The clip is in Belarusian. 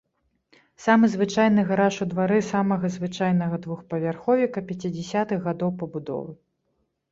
Самы звычайны гараж у двары самага звычайнага двухпавярховіка пяцідзясятых гадоў пабудовы.